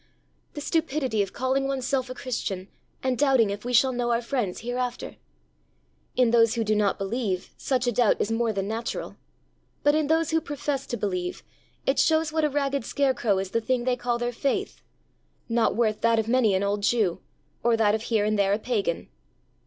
The stupidity of calling oneself a Christian, and doubting if we shall know our friends hereafter! In those who do not believe, such a doubt is more than natural, but in those who profess to believe, it shows what a ragged scarecrow is the thing they call their faith not worth that of many an old Jew, or that of here and there a pagan!